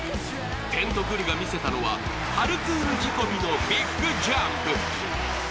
テントグルが見せたのはパルクール仕込みのビッグジャンプ。